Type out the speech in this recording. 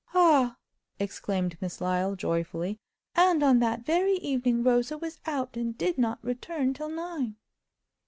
"Ah!" exclaimed Miss Lyle, joyfully—"and on that very evening Rosa was out, and did not return till nine!"